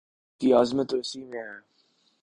اور انسانیت کی عظمت تو اسی میں ہے